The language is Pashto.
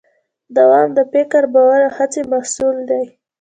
دوام د فکر، باور او هڅې محصول دی.